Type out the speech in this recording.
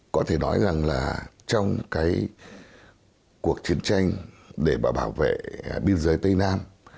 có thể nói rằng là trong cuộc chiến tranh để bảo vệ biên giới tây nam